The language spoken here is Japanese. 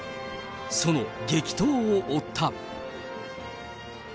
その激闘を追った。